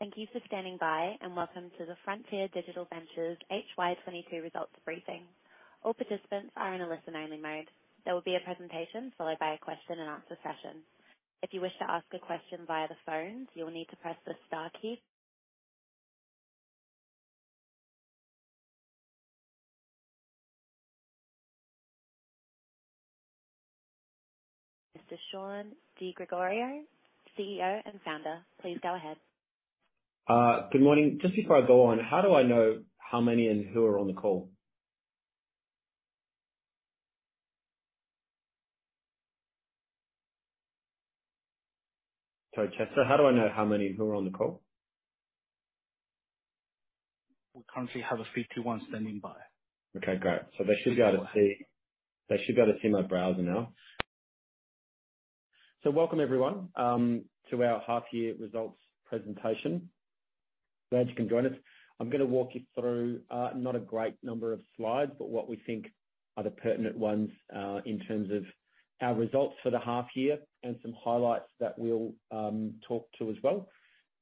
Thank you for standing by, and welcome to the Frontier Digital Ventures HY22 results briefing. All participants are in a listen-only mode. There will be a presentation followed by a question and answer session. If you wish to ask a question via the phone, you will need to press the star key. Mr. Shaun Di Gregorio, CEO and Founder, please go ahead. Good morning. Just before I go on, how do I know how many and who are on the call? Sorry, Chester, how do I know how many and who are on the call? We currently have 51 standing by. Okay, great. They should be able to see my browser now. Welcome everyone to our half year results presentation. Glad you can join us. I'm gonna walk you through not a great number of slides, but what we think are the pertinent ones in terms of our results for the half year and some highlights that we'll talk to as well.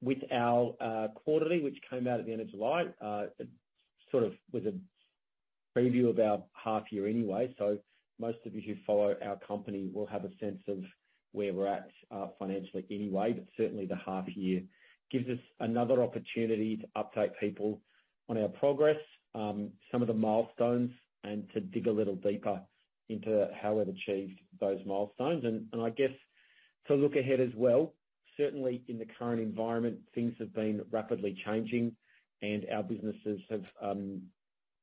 With our quarterly, which came out at the end of July, it sort of was a preview of our half year anyway, so most of you who follow our company will have a sense of where we're at financially anyway. Certainly the half year gives us another opportunity to update people on our progress, some of the milestones, and to dig a little deeper into how we've achieved those milestones and I guess to look ahead as well. Certainly, in the current environment, things have been rapidly changing and our businesses have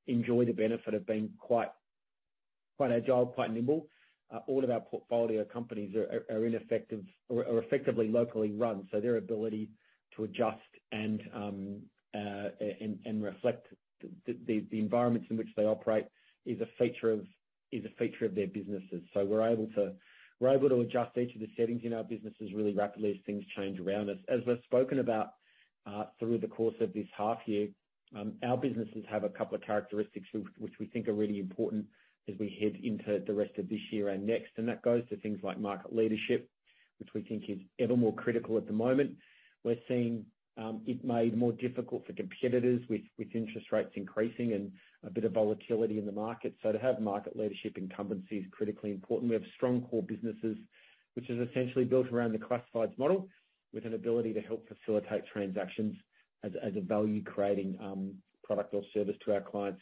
enjoyed the benefit of being quite agile, quite nimble. All of our portfolio companies are effectively locally run, so their ability to adjust and reflect the environments in which they operate is a feature of their businesses. We're able to adjust each of the settings in our businesses really rapidly as things change around us. As we've spoken about, through the course of this half year, our businesses have a couple of characteristics which we think are really important as we head into the rest of this year and next. That goes to things like market leadership, which we think is evermore critical at the moment. We're seeing it made more difficult for competitors with interest rates increasing and a bit of volatility in the market. To have market leadership incumbency is critically important. We have strong core businesses, which is essentially built around the classifieds model with an ability to help facilitate transactions as a value creating product or service to our clients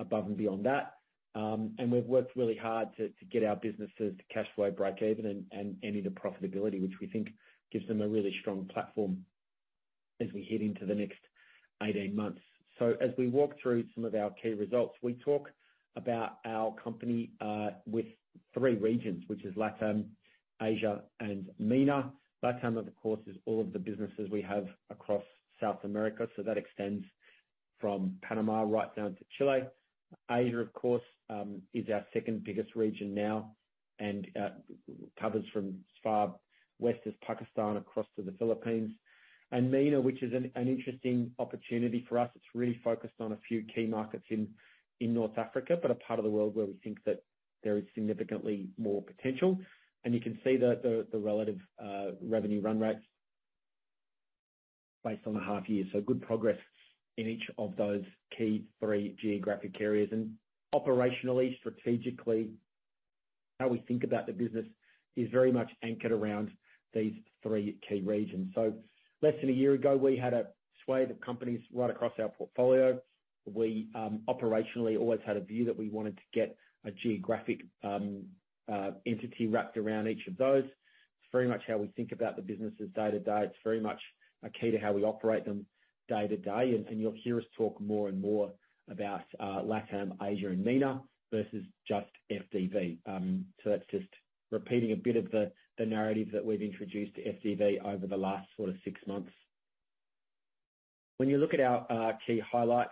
above and beyond that. We've worked really hard to get our businesses to cash flow breakeven and into profitability, which we think gives them a really strong platform as we head into the next 18 months. As we walk through some of our key results, we talk about our company with three regions, which is LatAm, Asia and MENA. LatAm, of course, is all of the businesses we have across South America, so that extends from Panama right down to Chile. Asia, of course, is our second biggest region now and covers from as far west as Pakistan across to the Philippines. MENA, which is an interesting opportunity for us. It's really focused on a few key markets in North Africa, but a part of the world where we think that there is significantly more potential. You can see the relative revenue run rates based on the half year. Good progress in each of those key three geographic areas. Operationally, strategically, how we think about the business is very much anchored around these three key regions. Less than a year ago, we had a swath of companies right across our portfolio. We operationally always had a view that we wanted to get a geographic entity wrapped around each of those. It's very much how we think about the businesses day to day. It's very much a key to how we operate them day to day. You'll hear us talk more and more about LatAm, Asia and MENA versus just FDV. That's just repeating a bit of the narrative that we've introduced to FDV over the last sort of six months. When you look at our key highlights,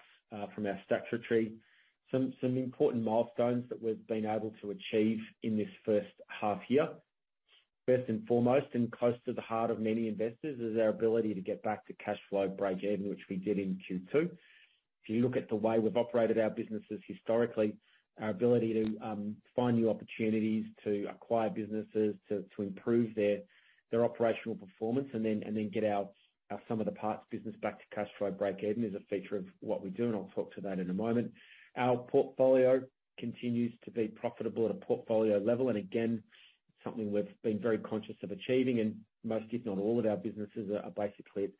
some important milestones that we've been able to achieve in this first half year. First and foremost, and close to the heart of many investors, is our ability to get back to cash flow breakeven, which we did in Q2. If you look at the way we've operated our businesses historically, our ability to find new opportunities to acquire businesses, to improve their operational performance and then get our sum of the parts business back to cash flow breakeven is a feature of what we do, and I'll talk to that in a moment. Our portfolio continues to be profitable at a portfolio level. Again, something we've been very conscious of achieving, and most, if not all, of our businesses are basically at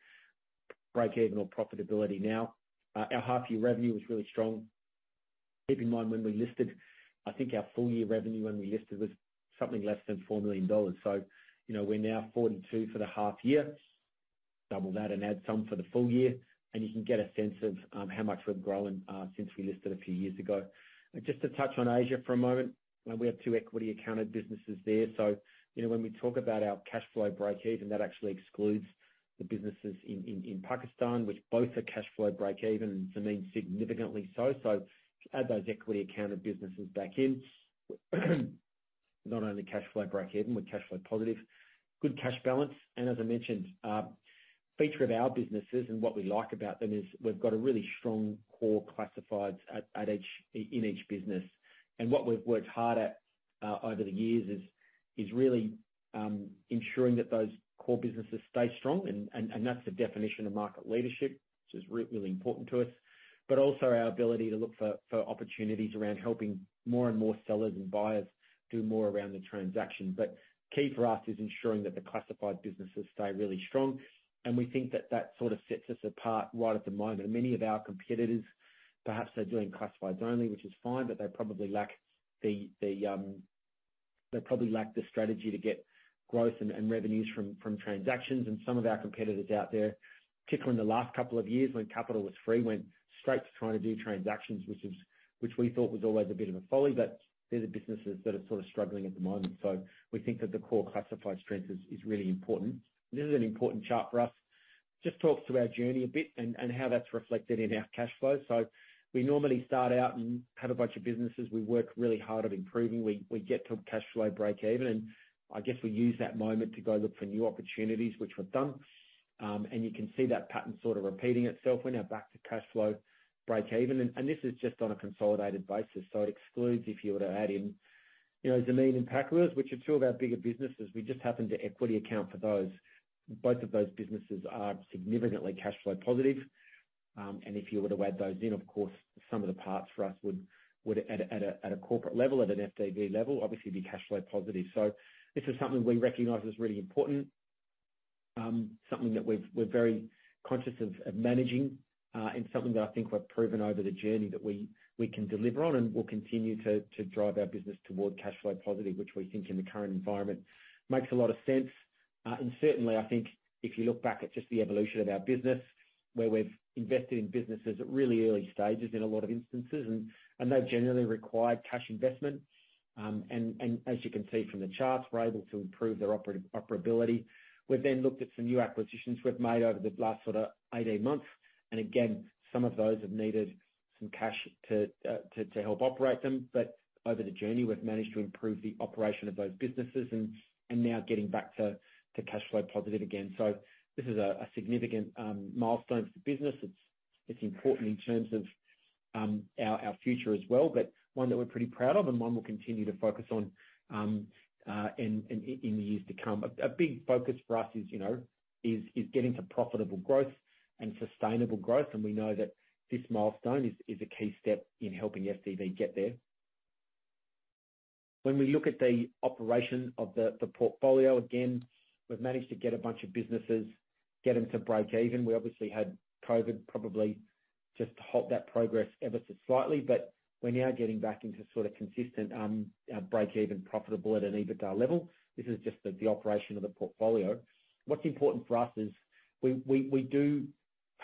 breakeven or profitability now. Our half year revenue was really strong. Keep in mind when we listed, I think our full year revenue when we listed was something less than $4 million. You know, we're now $42 million for the half year. Double that and add some for the full year, and you can get a sense of how much we've grown since we listed a few years ago. Just to touch on Asia for a moment, and we have 2 equity accounted businesses there. You know, when we talk about our cash flow breakeven, that actually excludes the businesses in Pakistan, which both are cash flow breakeven and for MENA significantly so. Add those equity accounted businesses back in, we're not only cash flow breakeven, we're cash flow positive. Good cash balance. As I mentioned, a feature of our businesses and what we like about them is we've got a really strong core classifieds in each business. What we've worked hard at over the years is really ensuring that those core businesses stay strong and that's the definition of market leadership, which is really important to us. Also our ability to look for opportunities around helping more and more sellers and buyers do more around the transaction. Key for us is ensuring that the classified businesses stay really strong, and we think that that sort of sets us apart right at the moment. Many of our competitors, perhaps they're doing classifieds only, which is fine, but they probably lack the strategy to get growth and revenues from transactions. Some of our competitors out there, particularly in the last couple of years when capital was free, went straight to trying to do transactions, which we thought was always a bit of a folly. They're the businesses that are sort of struggling at the moment. We think that the core classified strength is really important. This is an important chart for us. It just talks to our journey a bit and how that's reflected in our cash flow. We normally start out and have a bunch of businesses we work really hard at improving. We get to a cash flow breakeven, and I guess we use that moment to go look for new opportunities, which we've done. You can see that pattern sort of repeating itself. We're now back to cash flow breakeven and this is just on a consolidated basis, so it excludes if you were to add in, you know, Zameen and PakWheels, which are two of our bigger businesses. We just happen to equity account for those. Both of those businesses are significantly cash flow positive. And if you were to add those in, of course, sum of the parts for us would at a corporate level, at an FDV level, obviously be cash flow positive. This is something we recognize as really important, something that we're very conscious of managing, and something that I think we've proven over the journey that we can deliver on and will continue to drive our business toward cash flow positive, which we think in the current environment makes a lot of sense. Certainly I think if you look back at just the evolution of our business, where we've invested in businesses at really early stages in a lot of instances, and they've generally required cash investment. As you can see from the charts, we're able to improve their operability. We've then looked at some new acquisitions we've made over the last sort of 18 months. Again, some of those have needed some cash to help operate them. Over the journey, we've managed to improve the operation of those businesses and now getting back to cash flow positive again. This is a significant milestone for the business. It's important in terms of our future as well, but one that we're pretty proud of and one we'll continue to focus on in the years to come. A big focus for us is, you know, getting to profitable growth and sustainable growth. We know that this milestone is a key step in helping FDV get there. When we look at the operation of the portfolio, again, we've managed to get a bunch of businesses, get them to breakeven. We obviously had COVID probably just halt that progress ever so slightly. We're now getting back into sort of consistent breakeven profitable at an EBITDA level. This is just the operation of the portfolio. What's important for us is we do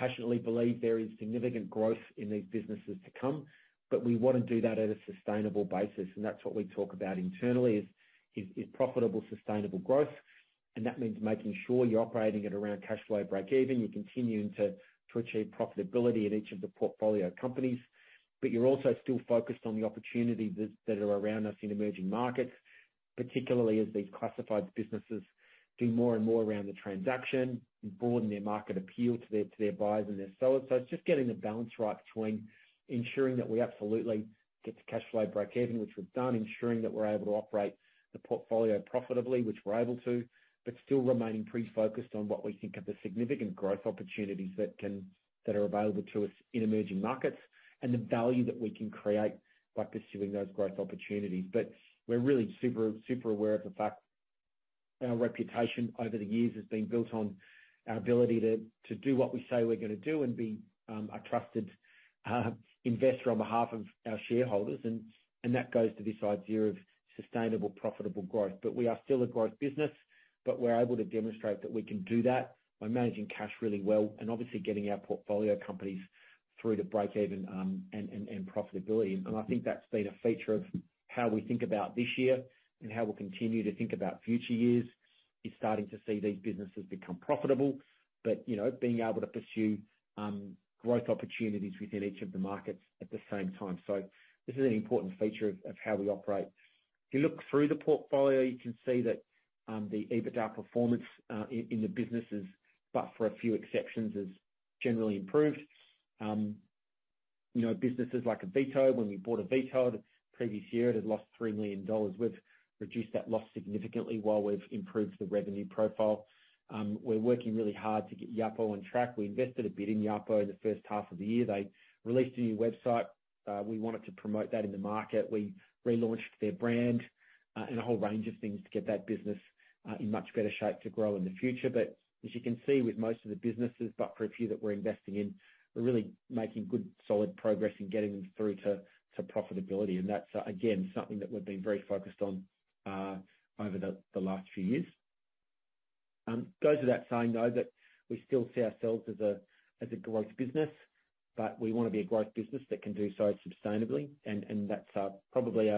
passionately believe there is significant growth in these businesses to come, but we wanna do that at a sustainable basis. That's what we talk about internally is profitable, sustainable growth. That means making sure you're operating at around cash flow breakeven. You're continuing to achieve profitability at each of the portfolio companies. You're also still focused on the opportunities that are around us in emerging markets, particularly as these classified businesses do more and more around the transaction and broaden their market appeal to their buyers and their sellers. It's just getting the balance right between ensuring that we absolutely get to cash flow breakeven, which we've done, ensuring that we're able to operate the portfolio profitably, which we're able to, but still remaining pretty focused on what we think are the significant growth opportunities that are available to us in emerging markets and the value that we can create by pursuing those growth opportunities. We're really super aware of the fact our reputation over the years has been built on our ability to do what we say we're gonna do and be a trusted investor on behalf of our shareholders. That goes to this idea of sustainable, profitable growth. We are still a growth business, but we're able to demonstrate that we can do that by managing cash really well and obviously getting our portfolio companies through to breakeven and profitability. I think that's been a feature of how we think about this year and how we'll continue to think about future years. It's starting to see these businesses become profitable, but you know, being able to pursue growth opportunities within each of the markets at the same time. This is an important feature of how we operate. If you look through the portfolio, you can see that the EBITDA performance in the businesses, but for a few exceptions, has generally improved. You know, businesses like Avito. When we bought Avito the previous year, it had lost $3 million. We've reduced that loss significantly while we've improved the revenue profile. We're working really hard to get Yapo on track. We invested a bit in Yapo in the first half of the year. They released a new website. We wanted to promote that in the market. We relaunched their brand, and a whole range of things to get that business in much better shape to grow in the future. As you can see with most of the businesses, but for a few that we're investing in, we're really making good, solid progress in getting them through to profitability. That's again something that we've been very focused on over the last few years. Goes without saying, though, that we still see ourselves as a growth business, but we wanna be a growth business that can do so sustainably. That's probably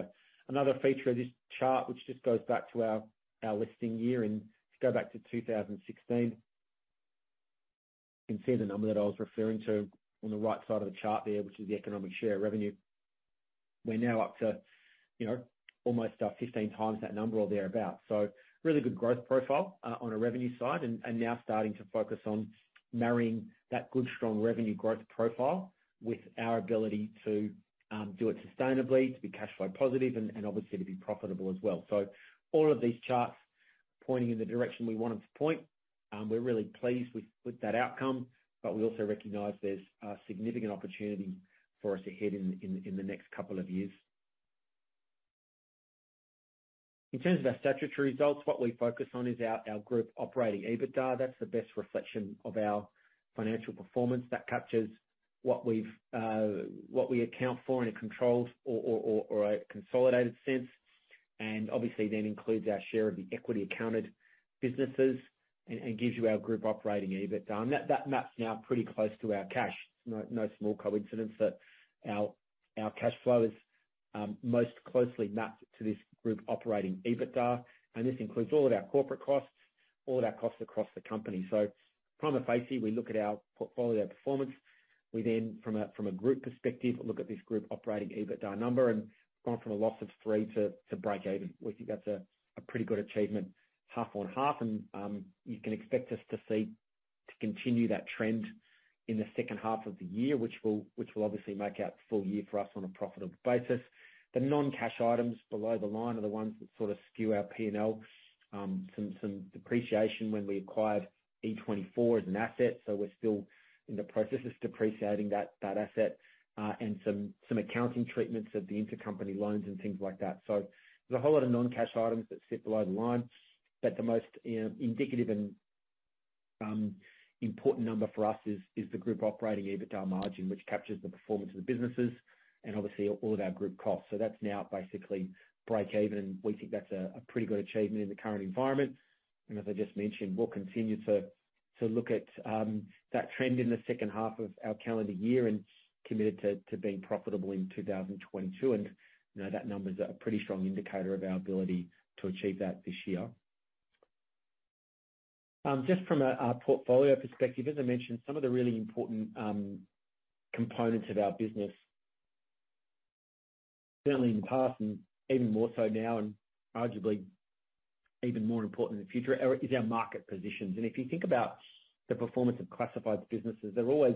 another feature of this chart, which just goes back to our listing year and if you go back to 2016. You can see the number that I was referring to on the right side of the chart there, which is the economic share revenue. We're now up to, you know, almost 15 times that number or thereabout. Really good growth profile on a revenue side and now starting to focus on marrying that good, strong revenue growth profile with our ability to do it sustainably, to be cash flow positive and obviously to be profitable as well. All of these charts pointing in the direction we want them to point. We're really pleased with that outcome, but we also recognize there's significant opportunity for us ahead in the next couple of years. In terms of our statutory results, what we focus on is our group operating EBITDA. That's the best reflection of our financial performance. That captures what we account for in a controlled or a consolidated sense, and obviously then includes our share of the equity accounted businesses and gives you our group operating EBITDA. That maps now pretty close to our cash. No small coincidence that our cash flow is most closely mapped to this group operating EBITDA, and this includes all of our corporate costs, all of our costs across the company. Prima facie, we look at our portfolio, our performance. From a group perspective, we look at this group operating EBITDA number and gone from a loss of 3 to breakeven. We think that's a pretty good achievement half on half and you can expect us to continue that trend in the second half of the year, which will obviously make out the full year for us on a profitable basis. The non-cash items below the line are the ones that sort of skew our P&L. Some depreciation when we acquired E24 as an asset, so we're still in the process of depreciating that asset, and some accounting treatments of the intercompany loans and things like that. There's a whole lot of non-cash items that sit below the line, but the most indicative and important number for us is the group operating EBITDA margin, which captures the performance of the businesses and obviously all of our group costs. That's now basically breakeven. We think that's a pretty good achievement in the current environment. As I just mentioned, we'll continue to look at that trend in the second half of our calendar year and committed to being profitable in 2022. You know, that number's a pretty strong indicator of our ability to achieve that this year. Just from a portfolio perspective, as I mentioned, some of the really important components of our business, certainly in the past and even more so now and arguably even more important in the future, is our market positions. If you think about the performance of classifieds businesses, they're always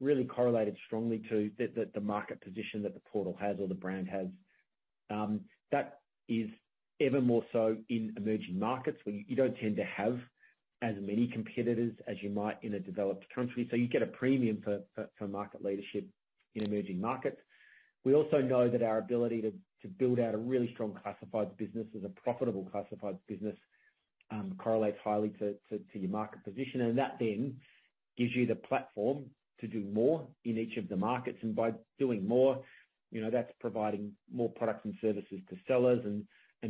really correlated strongly to the market position that the portal has or the brand has. That is ever more so in emerging markets where you don't tend to have as many competitors as you might in a developed country. You get a premium for market leadership in emerging markets. We also know that our ability to build out a really strong classifieds business as a profitable classifieds business correlates highly to your market position. That then gives you the platform to do more in each of the markets. By doing more, you know, that's providing more products and services to sellers and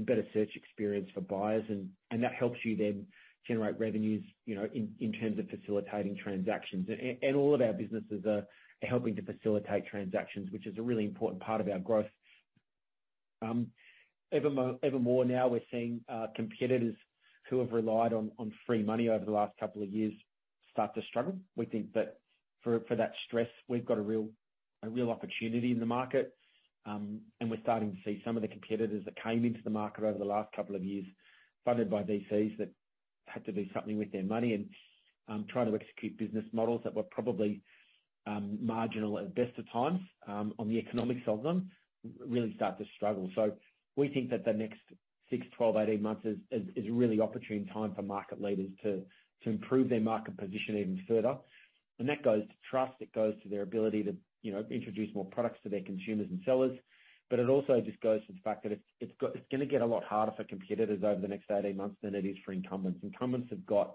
better search experience for buyers and that helps you then generate revenues, you know, in terms of facilitating transactions. All of our businesses are helping to facilitate transactions, which is a really important part of our growth. Even more now we're seeing competitors who have relied on free money over the last couple of years start to struggle. We think that for that stress, we've got a real opportunity in the market, and we're starting to see some of the competitors that came into the market over the last couple of years funded by VCs that had to do something with their money and try to execute business models that were probably marginal at best of times on the economics of them, really start to struggle. We think that the next 6, 12, 18 months is a really opportune time for market leaders to improve their market position even further. That goes to trust, it goes to their ability to, you know, introduce more products to their consumers and sellers. It also just goes to the fact that it's gonna get a lot harder for competitors over the next 18 months than it is for incumbents. Incumbents have got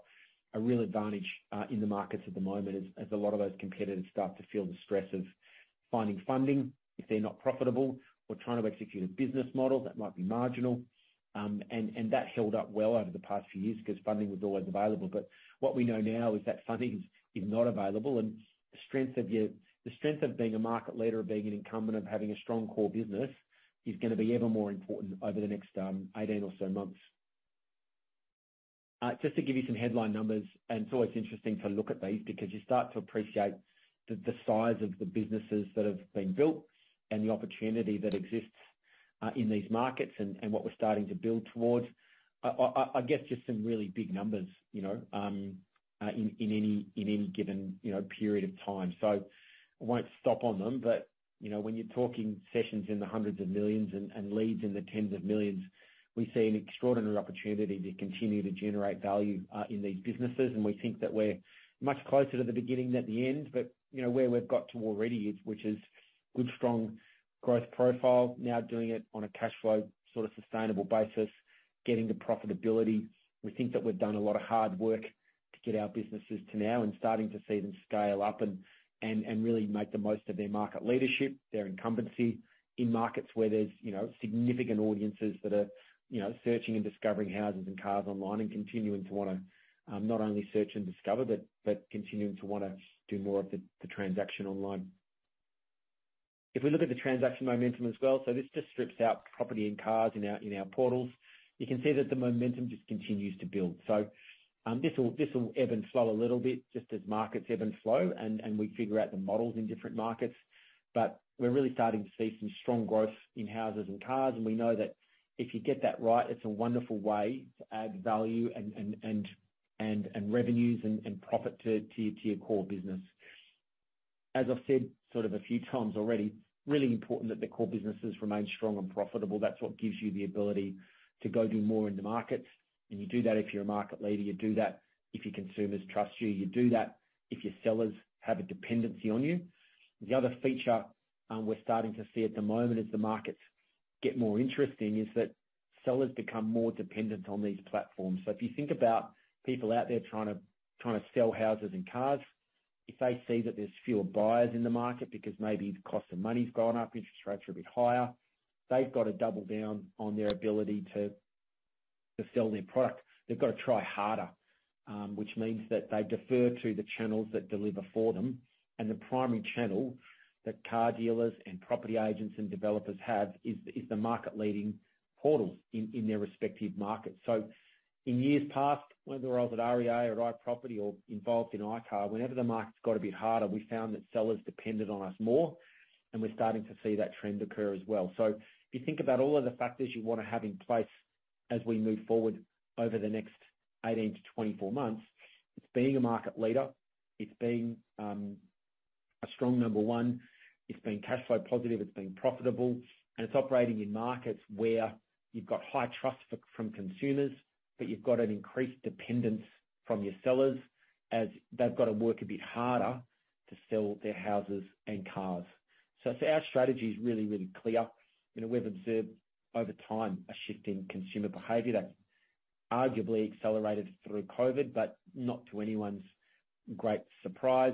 a real advantage in the markets at the moment as a lot of those competitors start to feel the stress of finding funding if they're not profitable or trying to execute a business model that might be marginal. That held up well over the past few years because funding was always available. What we know now is that funding is not available and the strength of being a market leader or being an incumbent of having a strong core business is gonna be ever more important over the next 18 or so months. Just to give you some headline numbers, and it's always interesting to look at these because you start to appreciate the size of the businesses that have been built and the opportunity that exists in these markets and what we're starting to build towards. I guess just some really big numbers, you know, in any given period of time. So I won't stop on them, but you know, when you're talking sessions in the hundreds of millions and leads in the tens of millions, we see an extraordinary opportunity to continue to generate value in these businesses. We think that we're much closer to the beginning than the end. You know, where we've got to already is, which is good, strong growth profile, now doing it on a cash flow, sort of sustainable basis, getting to profitability. We think that we've done a lot of hard work to get our businesses to now and starting to see them scale up and really make the most of their market leadership, their incumbency in markets where there's, you know, significant audiences that are, you know, searching and discovering houses and cars online and continuing to wanna not only search and discover, but continuing to wanna do more of the transaction online. If we look at the transaction momentum as well, this just strips out property and cars in our portals. You can see that the momentum just continues to build. This will ebb and flow a little bit just as markets ebb and flow and we figure out the models in different markets. We're really starting to see some strong growth in houses and cars, and we know that if you get that right, it's a wonderful way to add value and revenues and profit to your core business. As I've said sort of a few times already, really important that the core businesses remain strong and profitable. That's what gives you the ability to go do more in the markets. You do that if you're a market leader. You do that if your consumers trust you. You do that if your sellers have a dependency on you. The other feature we're starting to see at the moment as the markets get more interesting is that sellers become more dependent on these platforms. If you think about people out there trying to sell houses and cars, if they see that there's fewer buyers in the market because maybe the cost of money's gone up, interest rates are a bit higher, they've got to double down on their ability to sell their product. They've got to try harder. Which means that they defer to the channels that deliver for them. The primary channel that car dealers and property agents and developers have is the market-leading portals in their respective markets. In years past, whether I was at REA or iProperty or involved in iCar, whenever the market's got a bit harder, we found that sellers depended on us more, and we're starting to see that trend occur as well. If you think about all of the factors you wanna have in place as we move forward over the next 18-24 months, it's being a market leader, it's being a strong number one, it's being cash flow positive, it's being profitable, and it's operating in markets where you've got high trust from consumers, but you've got an increased dependence from your sellers as they've got to work a bit harder to sell their houses and cars. Our strategy is really, really clear. You know, we've observed over time a shift in consumer behavior that arguably accelerated through COVID, but not to anyone's great surprise.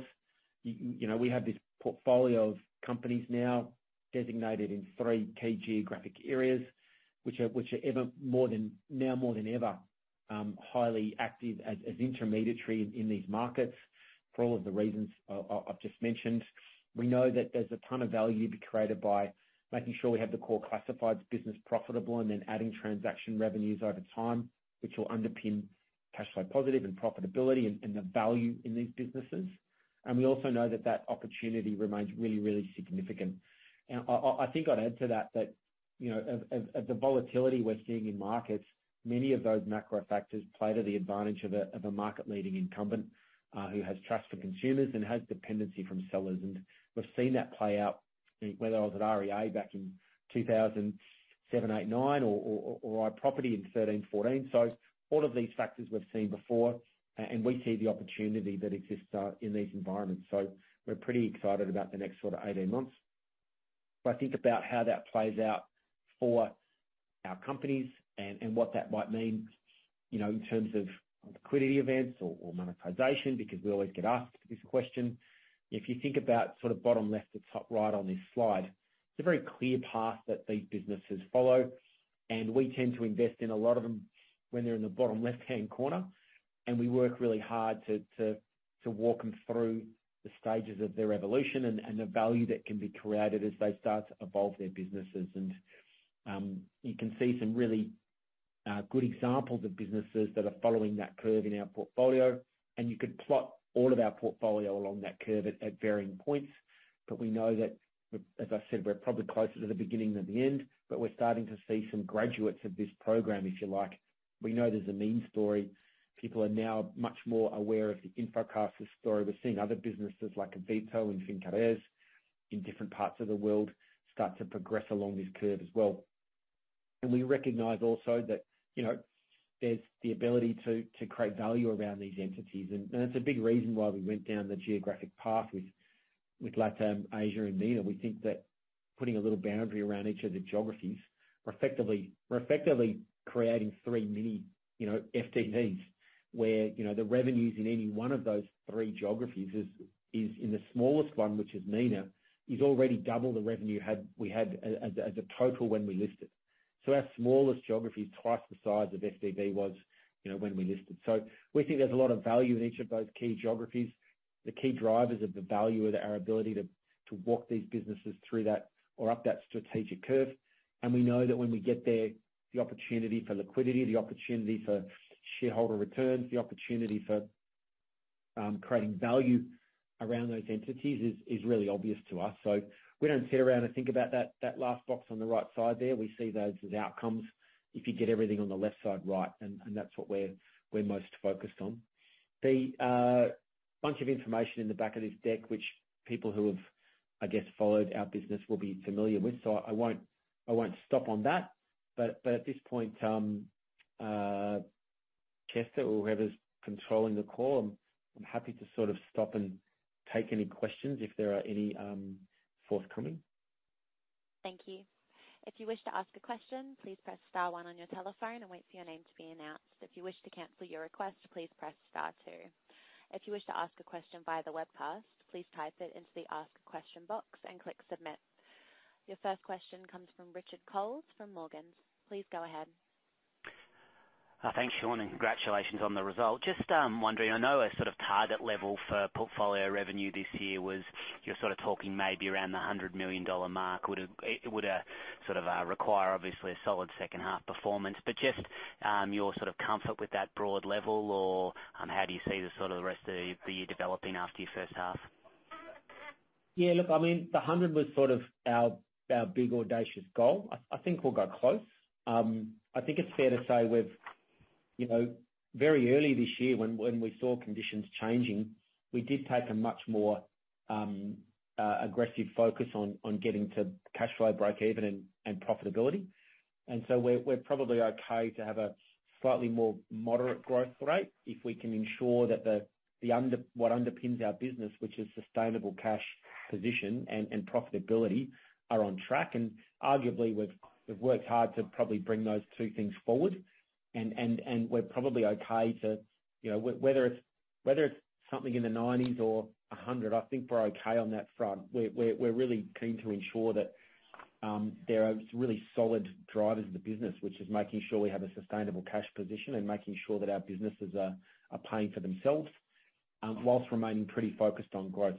You know, we have this portfolio of companies now designated in three key geographic areas, which are now more than ever highly active as intermediary in these markets for all of the reasons I've just mentioned. We know that there's a ton of value to be created by making sure we have the core classifieds business profitable and then adding transaction revenues over time, which will underpin cash flow positive and profitability and the value in these businesses. We also know that that opportunity remains really, really significant. I think I'd add to that, you know, as the volatility we're seeing in markets, many of those macro factors play to the advantage of a market-leading incumbent, who has trust for consumers and has dependency from sellers. We've seen that play out, whether I was at REA back in 2007, 2008, 2009, or iProperty in 2013, 2014. All of these factors we've seen before, and we see the opportunity that exists in these environments. We're pretty excited about the next sort of 18 months. I think about how that plays out for our companies and what that might mean, you know, in terms of liquidity events or monetization, because we always get asked this question. If you think about sort of bottom left to top right on this slide, it's a very clear path that these businesses follow, and we tend to invest in a lot of them when they're in the bottom left-hand corner. We work really hard to walk them through the stages of their evolution and the value that can be created as they start to evolve their businesses. You can see some really good examples of businesses that are following that curve in our portfolio, and you could plot all of our portfolio along that curve at varying points. We know that, as I said, we're probably closer to the beginning than the end, but we're starting to see some graduates of this program, if you like. We know there's a main story. People are now much more aware of the InfoCasas story. We're seeing other businesses like Avito and Fincaraíz in different parts of the world start to progress along this curve as well. We recognize also that, you know, there's the ability to create value around these entities. That's a big reason why we went down the geographic path with LatAm, Asia, and MENA. We think that putting a little boundary around each of the geographies, we're effectively creating three mini, you know, FDVs where, you know, the revenues in any one of those three geographies is in the smallest one, which is MENA, already double the revenue we had as a total when we listed. Our smallest geography is twice the size of FDV was, you know, when we listed. We think there's a lot of value in each of those key geographies. The key drivers of the value are our ability to walk these businesses through that or up that strategic curve. We know that when we get there, the opportunity for liquidity, the opportunity for shareholder returns, the opportunity for creating value around those entities is really obvious to us. We don't sit around and think about that last box on the right side there. We see those as outcomes if you get everything on the left side right, and that's what we're most focused on. The bunch of information in the back of this deck, which people who have, I guess, followed our business will be familiar with. I won't stop on that. At this point, Chester or whoever's controlling the call, I'm happy to sort of stop and take any questions if there are any forthcoming. Thank you. If you wish to ask a question, please press star one on your telephone and wait for your name to be announced. If you wish to cancel your request, please press star two. If you wish to ask a question via the webcast, please type it into the Ask a Question box and click Submit. Your first question comes from Richard Coles from Morgans. Please go ahead. Thanks, Shaun, and congratulations on the result. Just wondering, I know a sort of target level for portfolio revenue this year was, you're sorta talking maybe around the $100 million mark. It would sort of require obviously a solid second half performance, but just your sort of comfort with that broad level or how do you see the sort of the rest of the year developing after your first half? Yeah, look, I mean, the $100 was sort of our big audacious goal. I think we'll go close. I think it's fair to say we've. You know, very early this year when we saw conditions changing, we did take a much more aggressive focus on getting to cash flow breakeven and profitability. We're probably okay to have a slightly more moderate growth rate if we can ensure that what underpins our business, which is sustainable cash position and profitability, are on track. Arguably, we've worked hard to probably bring those two things forward. We're probably okay to, you know, whether it's something in the 90s or 100, I think we're okay on that front. We're really keen to ensure that there are really solid drivers of the business, which is making sure we have a sustainable cash position and making sure that our businesses are paying for themselves whilst remaining pretty focused on growth.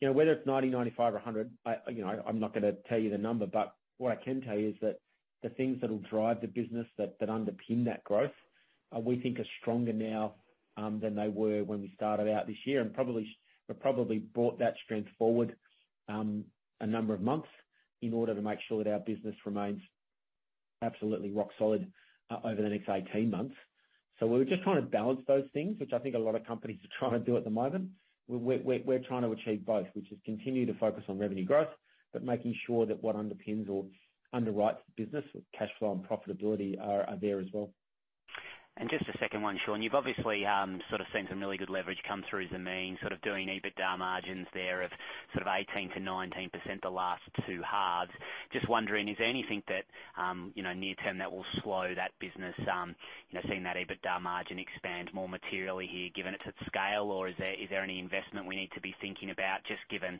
You know, whether it's 90, 95 or 100, you know, I'm not gonna tell you the number, but what I can tell you is that the things that will drive the business, that underpin that growth, we think are stronger now than they were when we started out this year, and probably we probably brought that strength forward a number of months in order to make sure that our business remains absolutely rock solid over the next 18 months. We're just trying to balance those things, which I think a lot of companies are trying to do at the moment. We're trying to achieve both, which is continue to focus on revenue growth, but making sure that what underpins or underwrites the business with cash flow and profitability are there as well. Just a second one, Shaun. You've obviously, sort of seen some really good leverage come through Zameen, sort of doing EBITDA margins there of sort of 18%-19% the last two halves. Just wondering, is there anything that, you know, near term that will slow that business, you know, seeing that EBITDA margin expand more materially here, given it's at scale, or is there any investment we need to be thinking about just given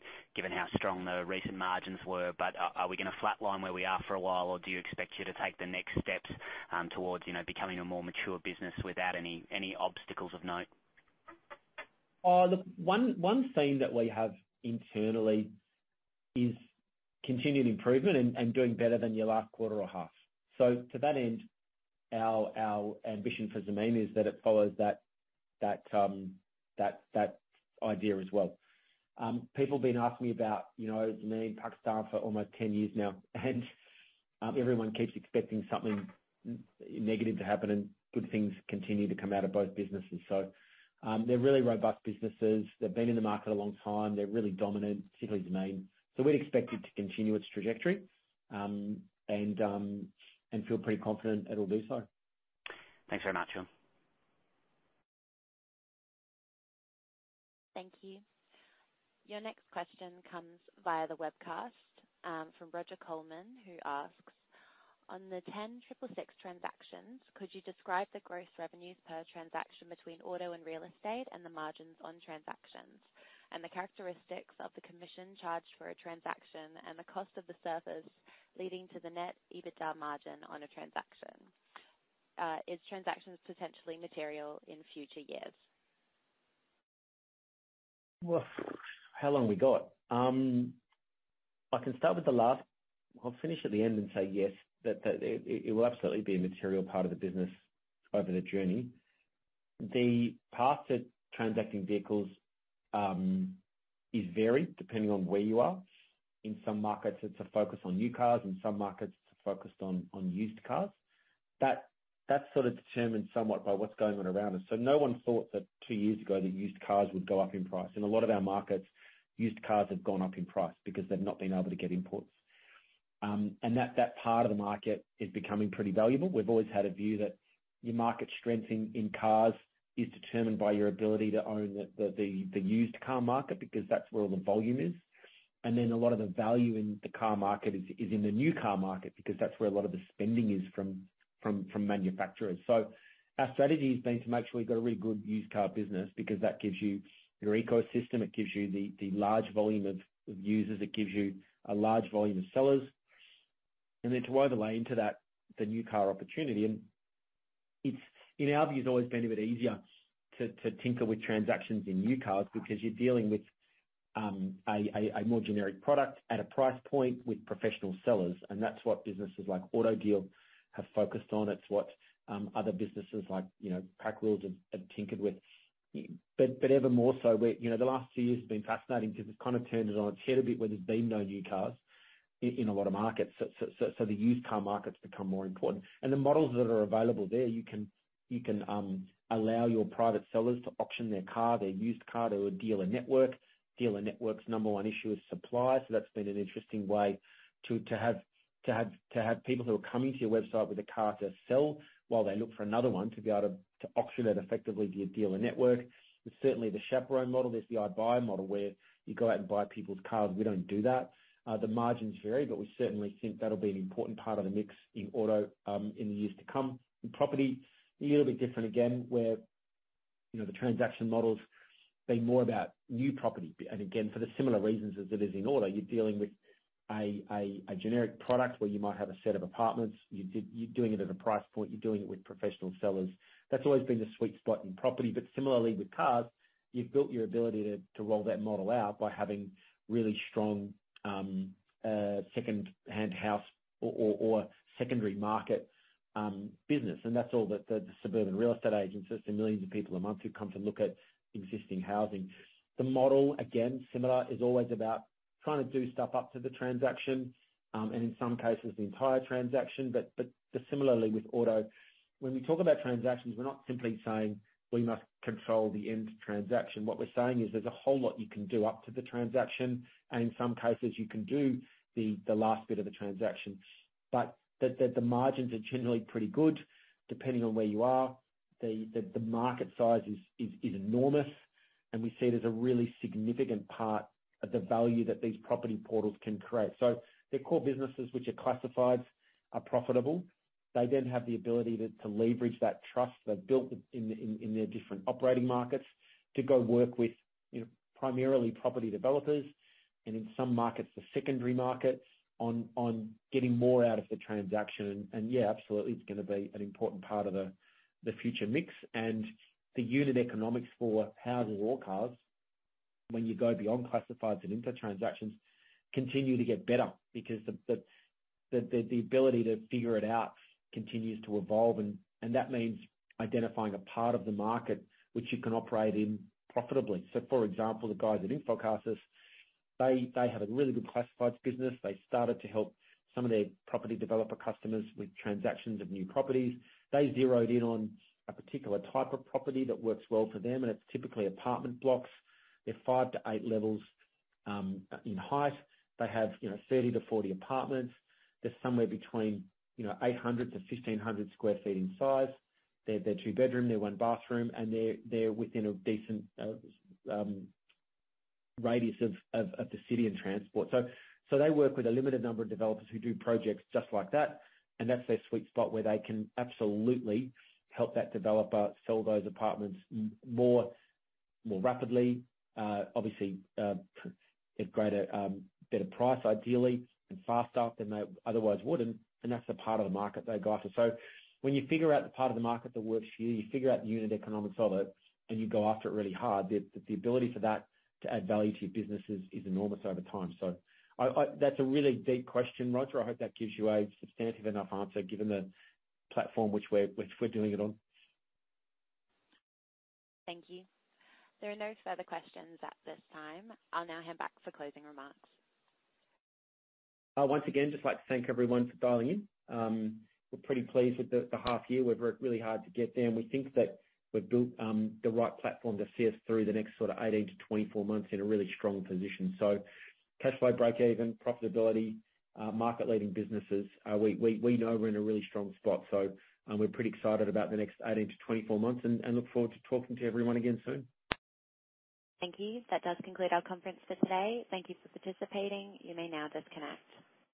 how strong the recent margins were? But are we gonna flat line where we are for a while, or do you expect you to take the next steps, towards, you know, becoming a more mature business without any obstacles of note? Look, one theme that we have internally is continued improvement and doing better than your last quarter or half. To that end, our ambition for Zameen is that it follows that idea as well. People have been asking me about, you know, Zameen Pakistan for almost 10 years now, and everyone keeps expecting something negative to happen and good things continue to come out of both businesses. They're really robust businesses. They've been in the market a long time. They're really dominant, particularly Zameen. We'd expect it to continue its trajectory, and feel pretty confident it'll do so. Thanks very much, Shaun. Thank you. Your next question comes via the webcast from Roger Coleman, who asks: On the 10666 transactions, could you describe the gross revenues per transaction between auto and real estate and the margins on transactions, and the characteristics of the commission charged for a transaction and the cost of the service leading to the net EBITDA margin on a transaction? Are these transactions potentially material in future years? Well, how long we got? I can start with the last. I'll finish at the end and say yes, that it will absolutely be a material part of the business over the journey. The path to transacting vehicles is varied depending on where you are. In some markets, it's a focus on new cars. In some markets, it's focused on used cars. That's sort of determined somewhat by what's going on around us. No one thought that two years ago that used cars would go up in price. In a lot of our markets, used cars have gone up in price because they've not been able to get imports. That part of the market is becoming pretty valuable. We've always had a view that your market strength in cars is determined by your ability to own the used car market because that's where all the volume is. A lot of the value in the car market is in the new car market because that's where a lot of the spending is from manufacturers. Our strategy has been to make sure we've got a really good used car business because that gives you your ecosystem, it gives you large volume of users, it gives you a large volume of sellers. To overlay into that, the new car opportunity. It, in our view, has always been a bit easier to tinker with transactions in new cars because you're dealing with a more generic product at a price point with professional sellers. That's what businesses like AutoDeal have focused on. It's what other businesses like, you know, PakWheels have tinkered with. Evermore so we're, you know, the last few years have been fascinating because it's kind of turned it on its head a bit where there's been no new cars in a lot of markets. The used car market's become more important. The models that are available there, you can allow your private sellers to auction their car, their used car to a dealer network. Dealer network's number one issue is supply, so that's been an interesting way to have people who are coming to your website with a car to sell while they look for another one to be able to auction it effectively via dealer network. There's certainly the chaperone model. There's the iBuyer model, where you go out and buy people's cars. We don't do that. The margins vary, but we certainly think that'll be an important part of the mix in auto, in the years to come. In property, a little bit different again, where, you know, the transaction model's been more about new property. And again, for the similar reasons as it is in auto, you're dealing with a generic product where you might have a set of apartments. You're doing it at a price point. You're doing it with professional sellers. That's always been the sweet spot in property. Similarly with cars, you've built your ability to roll that model out by having really strong second-hand house or secondary market business. That's all the suburban real estate agents. That's the millions of people a month who come to look at existing housing. The model, again, similar, is always about trying to do stuff up to the transaction, and in some cases the entire transaction. Similarly with auto, when we talk about transactions, we're not simply saying we must control the end transaction. What we're saying is there's a whole lot you can do up to the transaction, and in some cases, you can do the last bit of the transaction. The margins are generally pretty good, depending on where you are. The market size is enormous. We see it as a really significant part of the value that these property portals can create. Their core businesses, which are classifieds, are profitable. They then have the ability to leverage that trust they've built in their different operating markets to go work with, you know, primarily property developers and in some markets, the secondary markets on getting more out of the transaction. Yeah, absolutely, it's gonna be an important part of the future mix and the unit economics for houses or cars when you go beyond classifieds and into transactions, continue to get better because the ability to figure it out continues to evolve. That means identifying a part of the market which you can operate in profitably. For example, the guys at InfoCasas, they have a really good classifieds business. They started to help some of their property developer customers with transactions of new properties. They zeroed in on a particular type of property that works well for them, and it's typically apartment blocks. They're 5-8 levels in height. They have, you know, 30-40 apartments. They're somewhere between, you know, 800-1,500 sq ft in size. They're two bedroom, they're one bathroom, and they're within a decent radius of the city and transport. They work with a limited number of developers who do projects just like that. That's their sweet spot where they can absolutely help that developer sell those apartments more rapidly. Obviously, at greater, better price, ideally, and faster than they otherwise would. That's the part of the market they go after. when you figure out the part of the market that works for you figure out the unit economics of it, and you go after it really hard. The ability for that to add value to your businesses is enormous over time. That's a really deep question, Roger. I hope that gives you a substantive enough answer given the platform which we're doing it on. Thank you. There are no further questions at this time. I'll now hand back for closing remarks. Once again, just like to thank everyone for dialing in. We're pretty pleased with the half year. We've worked really hard to get there, and we think that we've built the right platform to see us through the next sort of 18-24 months in a really strong position. Cash flow breakeven, profitability, market-leading businesses. We know we're in a really strong spot, so we're pretty excited about the next 18-24 months and look forward to talking to everyone again soon. Thank you. That does conclude our conference for today. Thank you for participating. You may now disconnect.